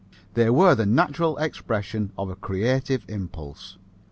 They were the natural expression of a creative impulse.